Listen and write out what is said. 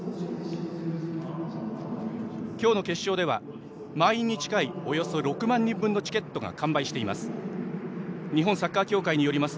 今日の決勝では満員に近いおよそ６万人分のチケットが完売しています。